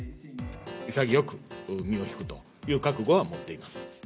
潔く身を引くという覚悟は持っています。